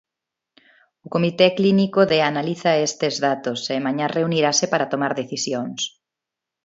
O comité clínico de analiza estes datos, e mañá reunirase para tomar decisións.